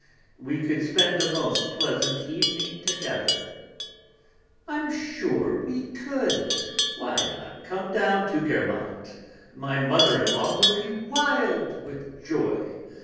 We could spend a most pleasant evening together." "I'm sure we could; why not come down to Guermantes? My mother in law would be wild with joy.